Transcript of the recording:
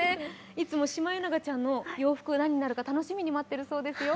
いつもシマエナガちゃんの洋服何になるか楽しみに待ってるそうですよ。